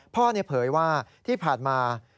พ่อเนี่ยเผยว่าที่ผ่านมา